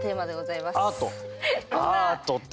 アートってねえ。